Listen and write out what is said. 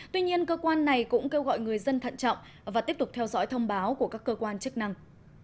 tuy nhiên cơ quan này cũng kêu gọi người dân thận trọng và tiếp tục theo dõi thông báo của các cơ quan chức năng